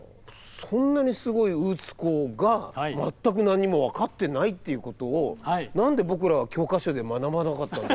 そんなにすごいウーツ鋼が全く何も分かってないっていうことを何で僕らは教科書で学ばなかったんだろう？